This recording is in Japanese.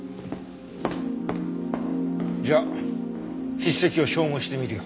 じゃあ筆跡を照合してみるよ。